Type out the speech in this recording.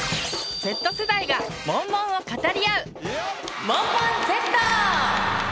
Ｚ世代がモンモンを語り合う「モンモンＺ」！